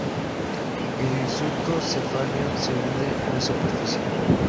El hirsuto cefalio se hunde o es superficial.